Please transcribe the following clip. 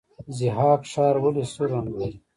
ضحاک ښار ولې سور رنګ لري؟